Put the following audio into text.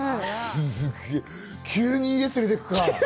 急に家に連れていくか。